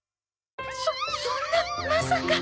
そそんなまさか！？